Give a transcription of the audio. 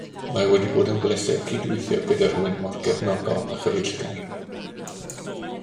Mae wedi bod yn bleser cydweithio gyda rhywun mor gefnogol a chyfeillgar